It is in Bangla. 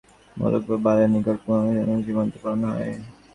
মোলখ বা বালের নিকট পুত্রকন্যাকে জীবন্ত পোড়ানো হত।